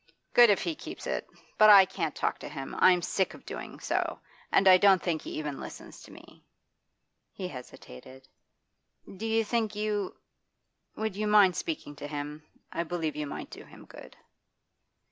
'Good if he keeps it. But I can't talk to him; I'm sick of doing so. And I don't think he even listens to me.' He hesitated. 'Do you think you would you mind speaking to him? I believe you might do him good.